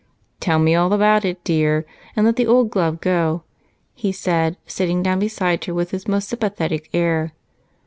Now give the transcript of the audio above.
"Tell me all about it, dear, and let the old glove go," he said, sitting down beside her with his most sympathetic air.